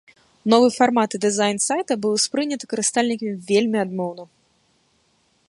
Новы фармат і дызайн сайта быў успрыняты карыстальнікамі вельмі адмоўна.